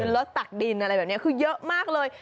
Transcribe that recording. รถตักดินอะไรแบบนี้คือเยอะมากเลย